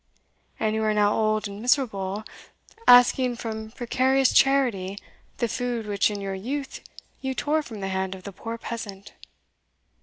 "And you are now old and miserable, asking from precarious charity the food which in your youth you tore from the hand of the poor peasant?"